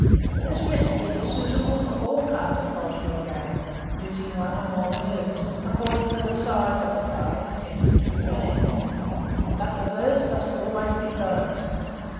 This recipe is suitable for all kinds of poultry or game, using one or more birds, according to the size of the pie intended to be made; but the birds must always be boned.